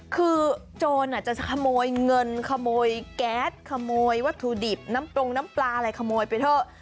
คือโจรจะขโมยเงินขโมยแก๊สขโมยวัตถุดิบน้ำปรุงน้ำปลาอะไรขโมยไปเถอะ